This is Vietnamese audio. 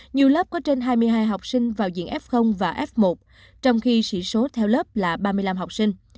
nhiều lớp có trên hai mươi hai học sinh vào diện f và f một trong khi sĩ số theo lớp là ba mươi năm học sinh